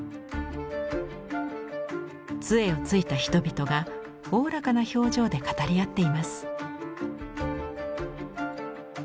つえをついた人々がおおらかな表情で語り合っています。